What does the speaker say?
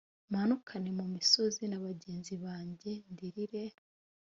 manukane mu misozi na bagenzi banjye ndirire